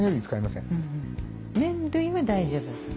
麺類は大丈夫？